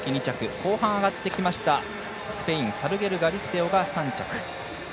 後半、上がってきたスペインサルゲルガリステオが３着。